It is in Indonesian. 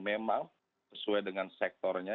memang sesuai dengan sektornya